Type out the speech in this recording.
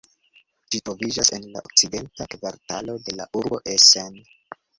Ĝi troviĝas en la Okcidenta Kvartalo de la urbo Essen.